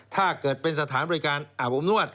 ถ้าเกิดเป็นสถานบริการอาบอบนวด